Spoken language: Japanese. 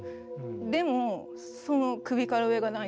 でもその首から上がない男性